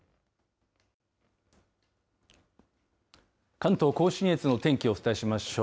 関東甲信越の天気をお伝えしましょう。